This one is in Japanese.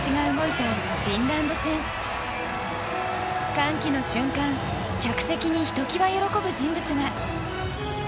歓喜の瞬間客席にひときわ喜ぶ人物が。